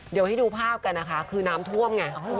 เดี๋ยวให้ดูภาพกันนะคะคือน้ำท่วมไง